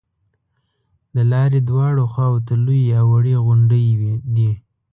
د لارې دواړو خواو ته لویې او وړې غونډې دي.